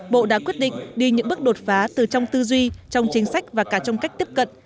bộ đã quyết định đi những bước đột phá từ trong tư duy trong chính sách và cả trong cách tiếp cận